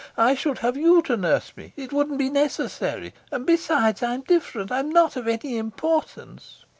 I should have you to nurse me. It wouldn't be necessary. And besides, I'm different; I'm not of any importance."